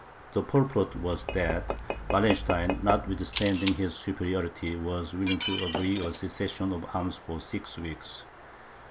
The purport was, that Wallenstein, notwithstanding his superiority, was willing to agree to a cessation of arms for six weeks.